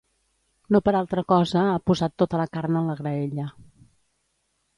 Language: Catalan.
No per altra cosa ha posat tota la carn en la graella.